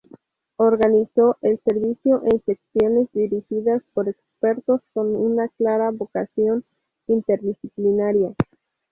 Organizó el servicio en secciones, dirigidas por expertos con una clara vocación interdisciplinaria.